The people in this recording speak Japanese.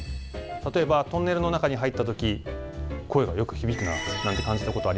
例えばトンネルの中に入った時声がよく響くななんて感じたことありませんか？